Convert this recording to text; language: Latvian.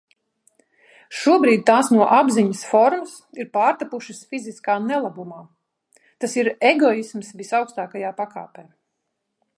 Šobrīd tās no apziņas formas ir pārtapušas fiziskā nelabumā. Tas ir egoisms visaugstākajā pakāpē.